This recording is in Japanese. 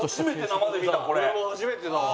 俺も初めてだわ。